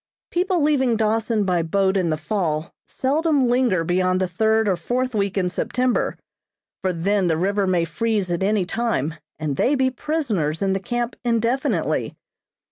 People leaving Dawson by boat in the fall seldom linger beyond the third or fourth week in September, for then the river may freeze at any time and they be prisoners in the camp indefinitely.